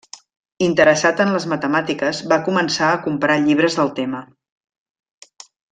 Interessat en les matemàtiques va començar a comprar llibres del tema.